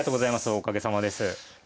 おかげさまです。